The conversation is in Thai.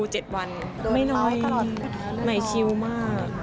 โดยเบาตลอดค่ะเลยหรือเปล่าไม่น้อยไม่ชิวมาก